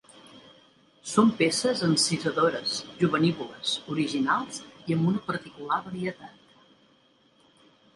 Són peces encisadores, jovenívoles, originals i amb una particular varietat.